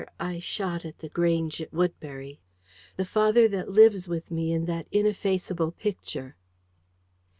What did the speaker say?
I shot at The Grange, at Woodbury. The father that lives with me in that ineffaceable Picture."